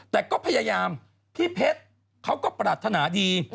แต่ก็พยายามพี่เพชรเขาก็ปรารถนาดี